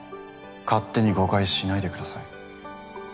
勝手に誤解しないでください。